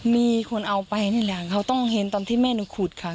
มีคนเอาไปนี่แหละเขาต้องเห็นตอนที่แม่หนูขุดค่ะ